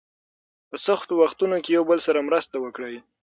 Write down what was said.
په سختو وختونو کې یو بل سره مرسته وکړئ.